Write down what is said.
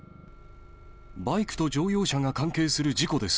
バイクと乗用車が関係する事故です。